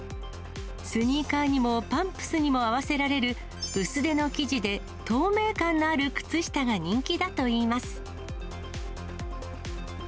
スニーカーにもパンプスにも合わせられる、薄手の生地で、透明感のある靴下が人気だといいます。